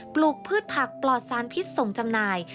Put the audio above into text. ลูกพืชผักปลอดสารพิษส่งจำหน่าย